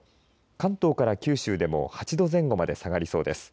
関東から九州でも８度前後まで下がりそうです。